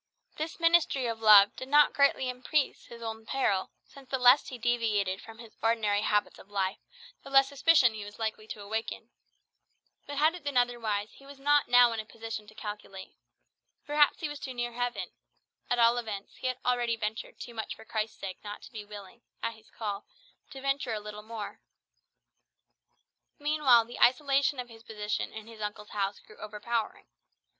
This ministry of love did not greatly increase his own peril, since the less he deviated from his ordinary habits of life the less suspicion he was likely to awaken. But had it been otherwise, he was not now in a position to calculate. Perhaps he was too near heaven; at all events, he had already ventured too much for Christ's sake not to be willing, at his call, to venture a little more. Meanwhile, the isolation of his position in his uncle's house grew overpowering.